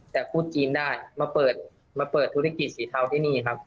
แต่พูดจีนได้มาเปิดมาเปิดธุรกิจสีเทาที่นี่ครับ